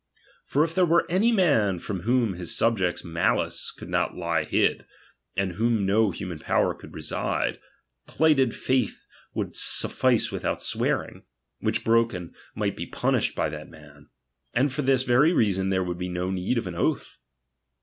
For if there were any man from "whom his subjects' malice could not lie hid, and ■whom no human power could resist, plighted faith ■vvould suffice without swearing ; which broken, might be punished by that man. And for this ■very reason there would be no need of an oath.